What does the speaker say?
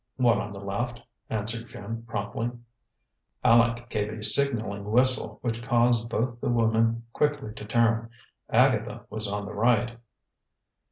"One on the left," answered Jim promptly. Aleck gave a signaling whistle which caused both the women quickly to turn. Agatha was on the right.